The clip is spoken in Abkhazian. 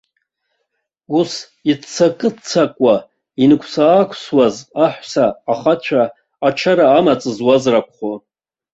Ус иццакыццакуа инықәсаақәсуаз аҳәса, ахацәа, ачара амаҵ зуаз ракәхон.